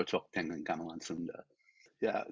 saya sudah tua saya sudah tua saya sudah tua